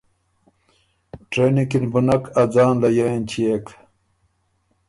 ټرېننګ کی ن بُو نک ا ځان لیه اېنچيېک۔